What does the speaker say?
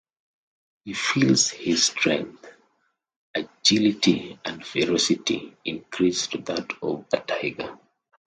He feels his strength, agility and ferocity increase to that of a tiger.